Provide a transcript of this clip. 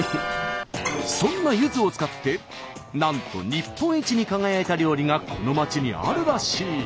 そんなゆずを使ってなんと日本一に輝いた料理がこの町にあるらしい。